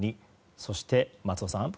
そして、松尾さん。